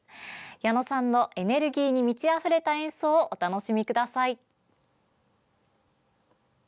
矢野さんのエネルギーに満ちあふれた演奏をお楽しみください。